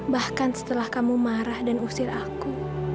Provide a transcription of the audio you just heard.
bahkan setelah kamu marah dan usir aku